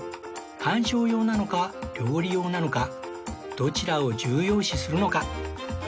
観賞用なのか料理用なのかどちらを重要視するのか